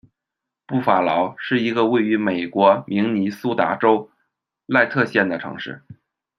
布法劳是一个位于美国明尼苏达州赖特县的都市。